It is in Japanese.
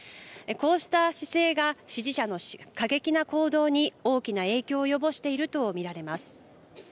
こうした姿勢が支持者の過激な行動に大きな影響を及ぼしていると見られます。